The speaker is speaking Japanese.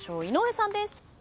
井上さんです。